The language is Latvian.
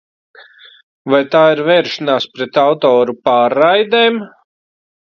Vai tā ir vēršanās pret autoru pārraidēm?